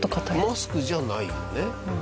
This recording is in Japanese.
マスクじゃないよね？